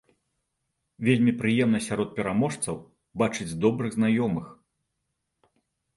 Вельмі прыемна сярод пераможцаў бачыць добрых знаёмых.